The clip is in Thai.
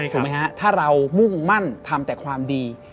ถูกไหมฮะถ้าเรามุ่งมั่นทำแต่ความดี